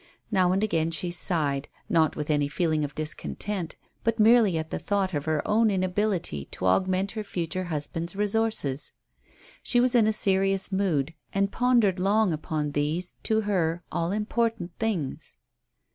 Now and again she sighed, not with any feeling of discontent, but merely at the thought of her own inability to augment her future husband's resources. She was in a serious mood, and pondered long upon these, to her, all important things.